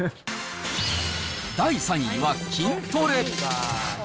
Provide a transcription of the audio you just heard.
第３位は筋トレ。